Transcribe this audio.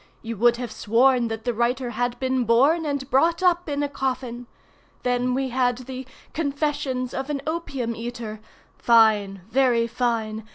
You would have sworn that the writer had been born and brought up in a coffin. Then we had the 'Confessions of an Opium eater'—fine, very fine!